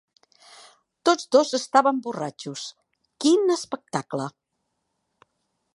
Tots dos estaven borratxos: quin espectacle!